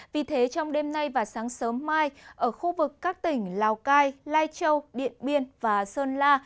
vì thế trong đêm nay và sáng sớm mai ở khu vực các tỉnh lào cai lai châu điện biên và sơn la